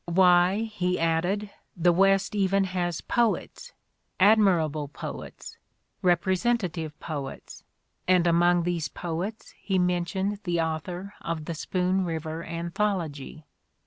Why, he added, the West even has poets, admirable poets, repre sentative poets ; and among these poets he mentioned the author of the "Spoon River Anthology."